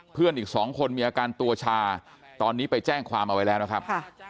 เพื่อนอีก๒คนมีอาการตัวชาตอนนี้ไปแจ้งความเอาไว้แล้วนะครับ